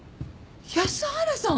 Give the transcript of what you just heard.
安原さん。